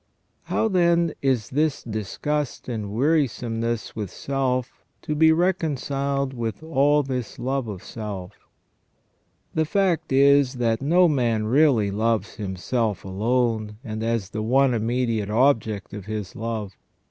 How, then, is this disgust and wearisomeness with self to be recon ciled with all this love of self? The fact is that no man really loves himself alone, and as the one immediate object of his love.